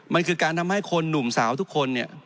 มันคือการทำให้คนหนุ่มสาวทุกคนเนี่ย